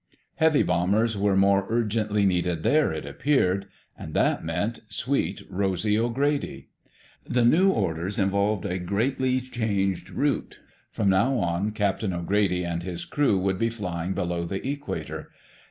Heavy bombers were more urgently needed there, it appeared. And that meant Sweet Rosy O'Grady! The new orders involved a greatly changed route. From now on Captain O'Grady and his crew would be flying below the equator.